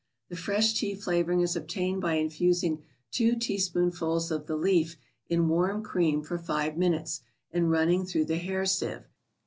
The fresh tea flavoring is obtained by infusing two teaspoonfuls of the leaf in warm cream for five minutes and running through the hair sieve.